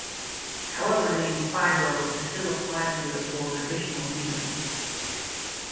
However the name "fibro" is still applied to it for traditional reasons.